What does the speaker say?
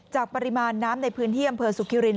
ปริมาณน้ำในพื้นที่อำเภอสุขิริน